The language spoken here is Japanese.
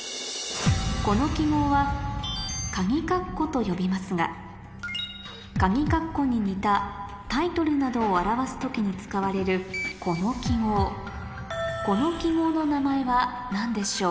この記号は「かぎかっこ」に似たタイトルなどを表す時に使われるこの記号この記号の名前は何でしょう？